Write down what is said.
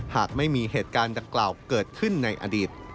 หากไม่มีเหตุการณ์ดังกล่าวเกิดขึ้นในอดีต